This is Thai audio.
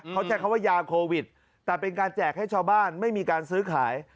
เขาใช้คำว่ายาโควิดแต่เป็นการแจกให้ชาวบ้านไม่มีการซื้อขาย